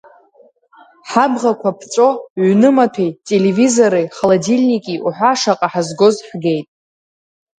Ҳабӷақәа ԥҵәо ҩнымаҭәеи, телевизори, холодильники уҳәа шаҟа ҳазгоз ҳгеит.